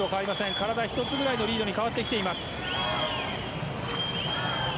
体１つぐらいのリードに変わってきています。